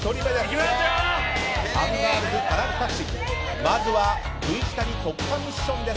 まずはＶ字谷突破ミッションです。